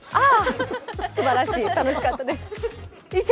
すばらしい楽しかったです。